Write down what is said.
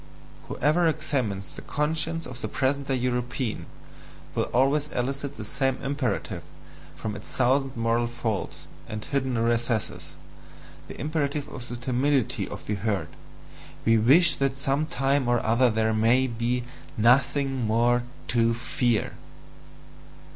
Whoever examines the conscience of the present day European, will always elicit the same imperative from its thousand moral folds and hidden recesses, the imperative of the timidity of the herd "we wish that some time or other there may be NOTHING MORE TO FEAR!"